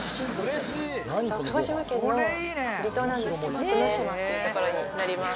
鹿児島県の離島なんですけど、徳之島っていうところになります。